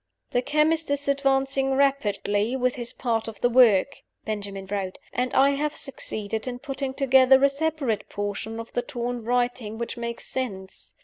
"The chemist is advancing rapidly with his part of the work" (Benjamin wrote); "and I have succeeded in putting together a separate portion of the torn writing which makes sense.